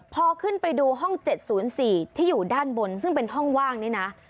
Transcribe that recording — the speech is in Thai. พอขึ้นไปดูห้อง๗๐๔ที่อยู่ด้านบนซึ่งเป็นห้องว่างนี่นะ